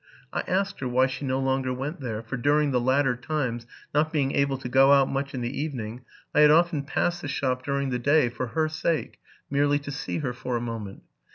I asked her why she no longer went there; for during the latter times, not being able to go out much in the evening, I had often passed the shop during the day for her sake, merely to see her for a2 moment.